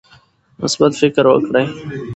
مثبت فکر وکړئ.